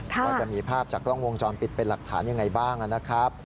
ว่าจะมีภาพจากกล้องวงจรปิดเป็นหลักฐานยังไงบ้างนะครับ